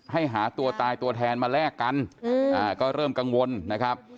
หาตัวตายตัวแทนมาแลกกันก็เริ่มกังวลนะครับ